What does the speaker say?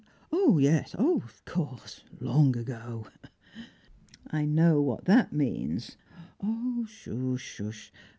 Oh yes of course, long ago!" "I know what that means." "'Sh! 'Sh!